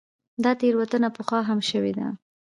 دا تېروتنه پخوا هم شوې ده.